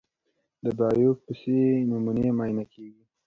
د بایوپسي نمونې معاینه کېږي.